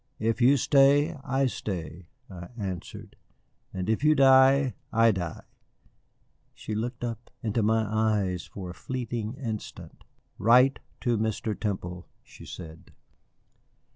"If you stay, I stay," I answered; "and if you die, I die." She looked up into my eyes for a fleeting instant. "Write to Mr. Temple," she said.